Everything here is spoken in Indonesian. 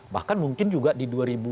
bahkan mungkin juga di dua ribu sembilan